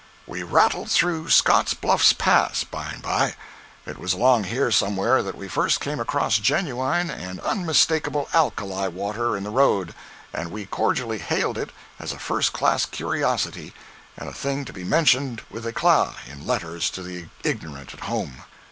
We rattled through Scott's Bluffs Pass, by and by. It was along here somewhere that we first came across genuine and unmistakable alkali water in the road, and we cordially hailed it as a first class curiosity, and a thing to be mentioned with eclat in letters to the ignorant at home.